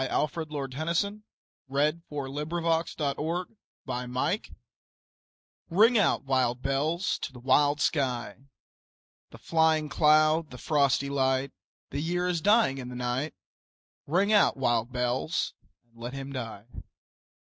Alfred, Lord Tennyson Ring Out, Wild Bells RING out, wild bells, to the wild sky, The flying cloud, the frosty light; The year is dying in the night; Ring out, wild bells, and let him die.